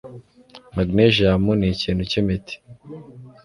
Magnesium ni ikintu cyimiti.